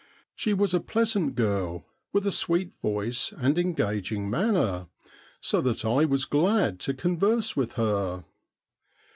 She was a pleasant girl, with a sweet voice and engaging manner, so that I was glad to converse with her.